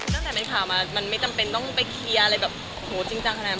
ตั้งแต่เป็นข่าวมามันไม่จำเป็นต้องไปเคลียร์อะไรแบบโหจริงจังขนาดนั้น